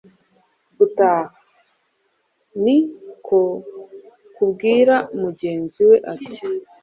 gutaha. Niko kubwira mugenzi we ati: “